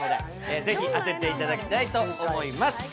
ぜひ、当てていただきたいと思います。